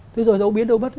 thế rồi đâu biết đâu mất